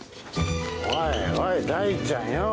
おいおい大ちゃんよう。